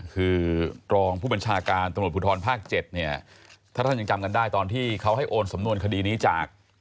คือรองผู้บัญชาการตำรวจภูทรภาค๗เนี่ยถ้าท่านยังจำกันได้ตอนที่เขาให้โอนสำนวนคดีนี้จาก